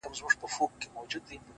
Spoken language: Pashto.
د سكون له سپينه هــاره دى لوېـدلى ـ